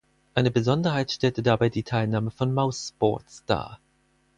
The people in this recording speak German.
Eine Besonderheit stellte dabei die Teilnahme von mousesports dar.